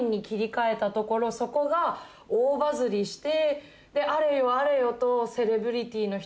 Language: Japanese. そこが大バズりしてあれよあれよと。